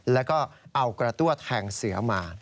แล้วก็เอากระตั้วแทงเสือมา